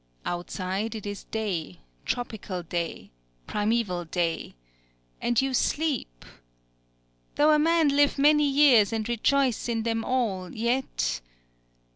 _'... Outside it is day, tropical day, primeval day! And you sleep!!... '_Though a man live many years and rejoice in them all, yet _'